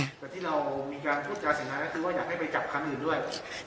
แต่ที่เรามีการพูดจาสนทนาก็คือว่าอยากให้ไปจับคันอื่นด้วย